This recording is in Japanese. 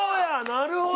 なるほど！